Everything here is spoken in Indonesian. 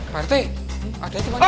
pak rt ada itu mana